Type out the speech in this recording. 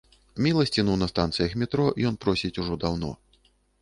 Міласціну на станцыях метро ён просіць ужо даўно.